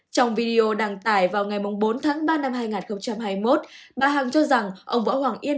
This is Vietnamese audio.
trong video đăng tải vào ngày bốn tháng ba năm hai nghìn hai mươi một bà hằng cho rằng ông võ hoàng yên